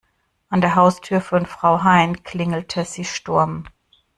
An der Haustür von Frau Hein klingelte sie Sturm.